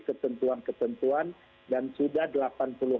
ketentuan ketentuan dan sudah